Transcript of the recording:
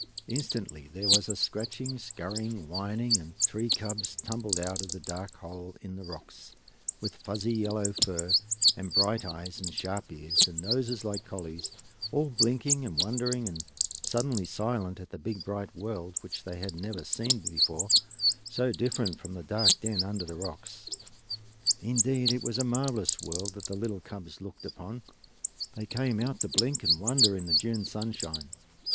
Instantly there was a scratching, scurrying, whining, and three cubs tumbled out of the dark hole in the rocks, with fuzzy yellow fur and bright eyes and sharp ears and noses, like collies, all blinking and wondering and suddenly silent at the big bright world which they had never seen before, so different from the dark den under the rocks. Indeed it was a marvelous world that the little cubs looked upon when they came out to blink and wonder in the June sunshine.